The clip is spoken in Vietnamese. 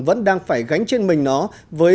vẫn đang phải gánh trên mình nó với